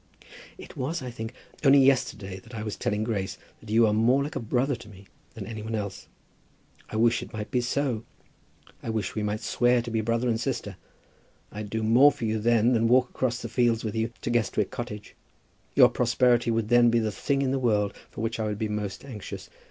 "It was, I think, only yesterday that I was telling Grace that you are more like a brother to me than any one else. I wish it might be so. I wish we might swear to be brother and sister. I'd do more for you then than walk across the fields with you to Guestwick Cottage. Your prosperity would then be the thing in the world for which I should be most anxious.